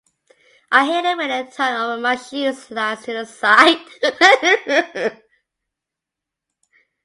I hate it when the tongue of my shoe slides to the side.